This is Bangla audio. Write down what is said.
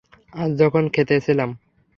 আজ যখন ক্ষেতে ছিলাম।